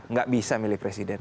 enggak bisa milih presiden